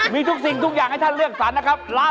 มีทุกสิ่งทุกอย่างให้ท่านเลือกสรรนะครับ